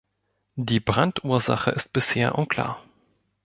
Die Brandursache ist bisher unklar.